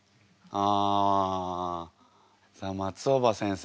さあ松尾葉先生